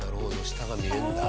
下が見えるんだ。